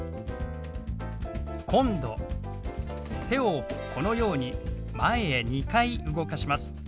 手をこのように前へ２回動かします。